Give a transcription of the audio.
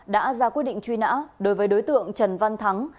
đã ra quyết định truy nã đối với đối tượng trần văn thắng